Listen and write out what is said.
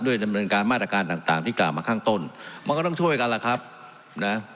ดำเนินการมาตรการต่างต่างที่กล่าวมาข้างต้นมันก็ต้องช่วยกันล่ะครับนะ